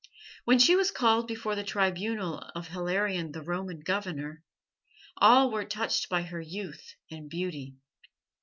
When she was called before the tribunal of Hilarion the Roman Governor, all were touched by her youth and beauty.